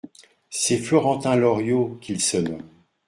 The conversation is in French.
C'est Florentin Loriot qu'il se nomme.